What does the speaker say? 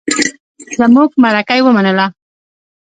زمونږ مرکه يې ومنله.